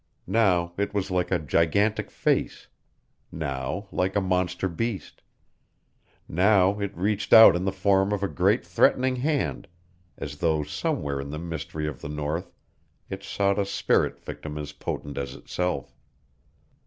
Now it was like a gigantic face, now like a monster beast now it reached out in the form of a great threatening hand, as though somewhere in the mystery of the north it sought a spirit victim as potent as itself.